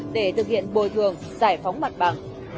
để thực hiện bồi thường giải phóng mặt bằng